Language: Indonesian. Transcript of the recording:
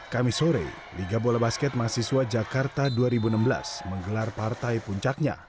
kami sore liga bola basket mahasiswa jakarta dua ribu enam belas menggelar partai puncaknya